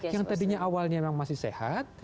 yang tadinya awalnya memang masih sehat